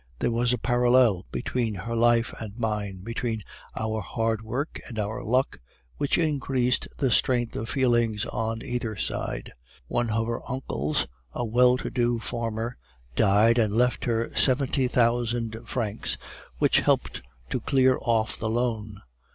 There was a parallel between her life and mine, between our hard work and our luck, which increased the strength of feeling on either side. One of her uncles, a well to do farmer, died and left her seventy thousand francs, which helped to clear off the loan.